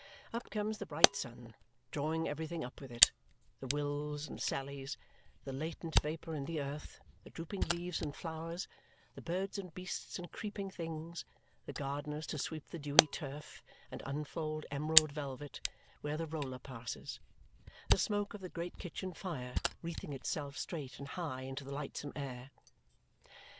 Up comes the bright sun, drawing everything up with it the Wills and Sallys, the latent vapour in the earth, the drooping leaves and flowers, the birds and beasts and creeping things, the gardeners to sweep the dewy turf and unfold emerald velvet where the roller passes, the smoke of the great kitchen fire wreathing itself straight and high into the lightsome air.